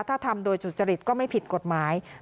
ถ้าทำโดยสุจริตก็ไม่ผิดกฎหมาย